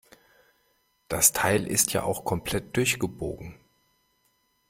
Das Teil ist ja auch komplett durchgebogen.